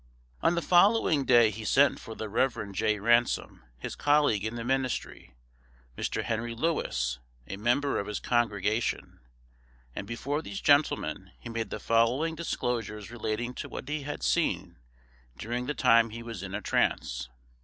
On the following day he sent for the Rev. J. Ransom, his colleague in the ministry, Mr Henry Lewis, a member of his congregation, and before these gentlemen he made the following disclosures relating to what he had seen during the time he was in a trance.